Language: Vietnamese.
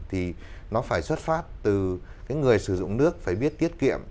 thì nó phải xuất phát từ cái người sử dụng nước phải biết tiết kiệm